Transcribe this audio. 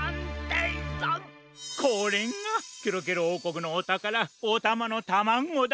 これがケロケロおうこくのおたからおたまのタマゴだ！